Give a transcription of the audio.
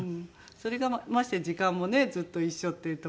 それがましてや時間もねずっと一緒っていう所でね